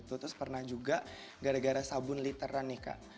terus pernah juga gara gara sabun literan nih kak